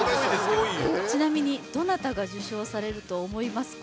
ちなみにどなたが受賞されると思いますか？